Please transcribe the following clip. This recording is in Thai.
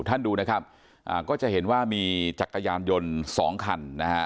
ท่านดูนะครับอ่าก็จะเห็นว่ามีจักรยานยนต์สองคันนะฮะ